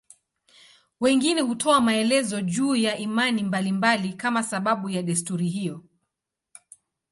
Wengine hutoa maelezo juu ya imani mbalimbali kama sababu ya desturi hiyo.